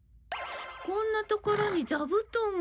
こんなところに座布団が。